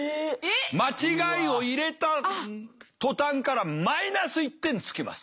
間違いを入れた途端からマイナス１点つきます。